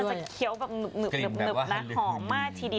มันจะเคี้ยวแบบหงึบหอมมากทีเดียว